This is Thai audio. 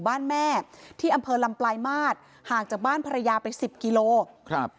บ้านแม่ที่อำเภอลำปลายมาตรห่างจากบ้านภรรยาไปสิบกิโลครับ